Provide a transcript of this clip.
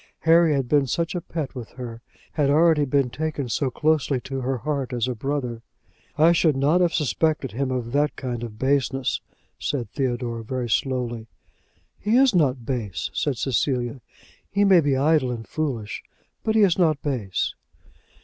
Harry had been such a pet with her, had already been taken so closely to her heart as a brother! "I should not have suspected him of that kind of baseness," said Theodore, very slowly. "He is not base," said Cecilia. "He may be idle and foolish, but he is not base."